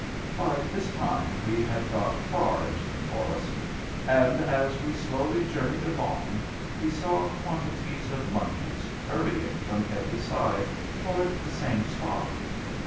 By this time we had got far into the forest, and, as we slowly journeyed along, we saw quantities of mon keys hurrying from every side toward the same spot.